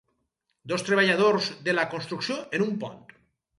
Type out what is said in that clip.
Dos treballadors de la construcció en un pont